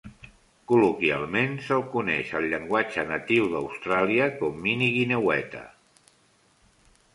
Col·loquialment s'el coneix al llenguatge natiu d'Austràlia com "Mini Guineueta".